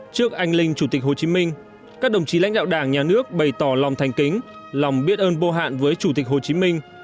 trước anh linh chủ tịch hồ chí minh các đồng chí lãnh đạo đảng nhà nước bày tỏ lòng thành kính lòng biết ơn vô hạn với chủ tịch hồ chí minh